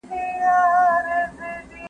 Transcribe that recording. موږ د خپل هیواد په راتلونکي باور لرو.